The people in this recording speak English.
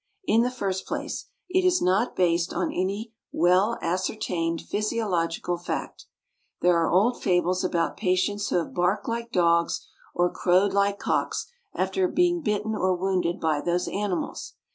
In the first place, it is not based on any well ascertained physiological fact. There are old fables about patients who have barked like dogs or crowed like cocks, after being bitten or wounded by those animals.